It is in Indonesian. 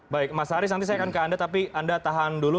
baik mas haris nanti saya akan ke anda tapi anda tahan dulu